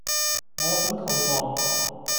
我好肚餓